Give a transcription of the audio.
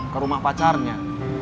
ke rumah pacarnya